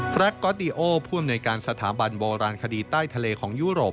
รักก๊อตดีโอผู้อำนวยการสถาบันโบราณคดีใต้ทะเลของยุโรป